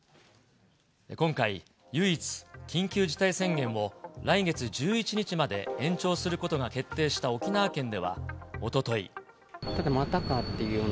今回、唯一緊急事態宣言を来月１１日まで延長することが決定した沖縄県ただまたかっていうような。